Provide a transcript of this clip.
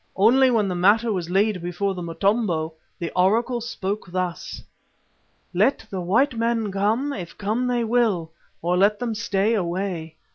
Only when the matter was laid before the Motombo, the oracle spoke thus: "'Let the white men come if come they will, or let them stay away.